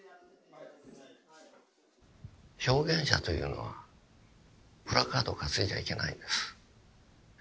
表現者というのはプラカードを担いじゃいけないんです。